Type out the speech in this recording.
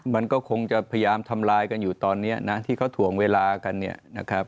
มันก็คงจะพยายามทำลายกันอยู่ตอนนี้นะที่เขาถ่วงเวลากันเนี่ยนะครับ